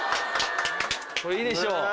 これいいでしょう